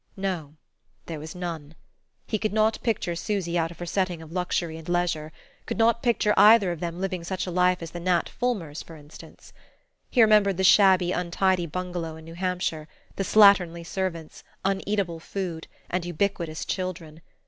No there was none: he could not picture Susy out of her setting of luxury and leisure, could not picture either of them living such a life as the Nat Fulmers, for instance! He remembered the shabby untidy bungalow in New Hampshire, the slatternly servants, uneatable food and ubiquitous children.